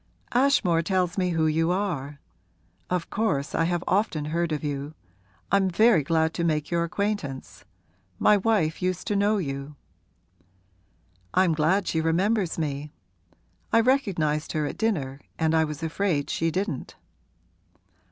'Ashmore tells me who you are. Of course I have often heard of you I'm very glad to make your acquaintance; my wife used to know you.' 'I'm glad she remembers me. I recognised her at dinner and I was afraid she didn't.'